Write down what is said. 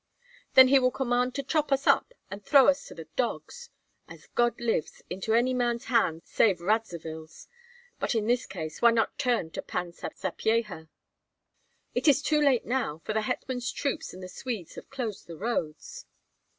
"Then he will command to chop us up and throw us to the dogs. As God lives! into any man's hands save Radzivill's! But in this case why not turn to Pan Sapyeha?" "It is too late now, for the hetman's troops and the Swedes have closed the roads."